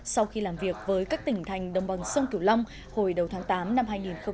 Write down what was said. sau khi làm việc với các tỉnh thành đồng bằng sông cửu long hồi đầu tháng tám năm hai nghìn hai mươi